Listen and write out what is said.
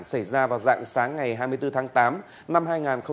xảy ra vào dạng sáng ngày hai mươi bốn tháng tám năm hai nghìn hai mươi hai